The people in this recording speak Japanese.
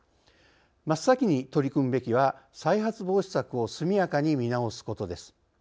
真っ先に取り組むべきは再発防止策を速やかに見直すことです。